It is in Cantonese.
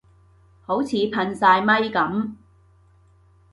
好似噴曬咪噉